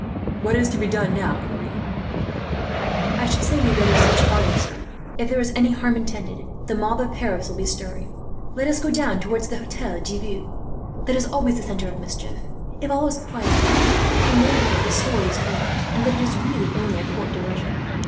"What is to be done now, Pierre?" "I should say we had better search farther, sir. If there is any harm intended, the mob of Paris will be stirring. Let us go down towards the Hotel de Ville; that is always the centre of mischief. If all is quiet there, it may be that this story is correct, and that it is really only a court diversion.